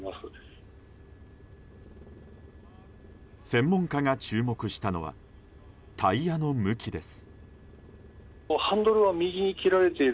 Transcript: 専門家が注目したのはタイヤの向きです。